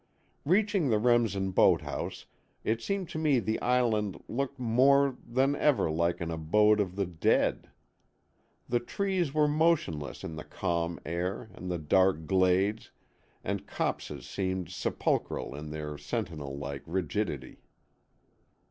Reaching the Remsen boathouse, it seemed to me the Island looked more than ever like an abode of the dead. The trees were motionless in the calm air and the dark glades and copses seemed sepulchral in their sentinel like rigidity.